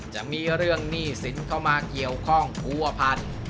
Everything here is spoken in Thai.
จะมีเรื่องหนี้สินเข้ามาเกี่ยวข้องผัวพันธุ์